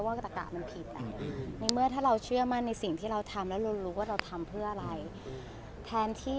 เพราะเราทำเพื่อคนอื่นแต่คนดันมองไม่อิงไปว่างนี้